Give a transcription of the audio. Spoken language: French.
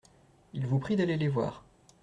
Ils vous prient d’aller les voir.